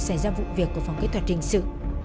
xảy ra vụ việc của phòng kỹ thuật hình sự